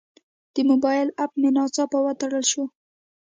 د موبایل اپ مې ناڅاپه وتړل شو.